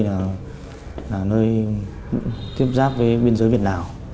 quế phong nghệ an là nơi tiếp giáp với biên giới việt lào